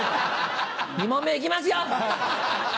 ２問目行きますよ！